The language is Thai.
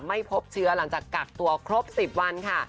ไม่พบเชื้อหลังจากกักตัวครบ๑๐วันค่ะ